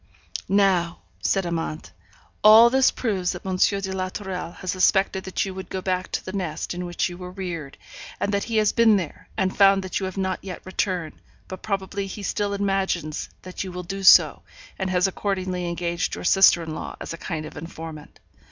'Now,' said Amante, 'all this proves that M. de la Tourelle has suspected that you would go back to the nest in which you were reared, and that he has been there, and found that you have not yet returned; but probably he still imagines that you will do so, and has accordingly engaged your sister in law as a kind of informant.